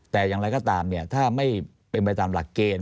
แต่อย่างไรก็ตามเนี่ยถ้าไม่เป็นไปตามหลักเกณฑ์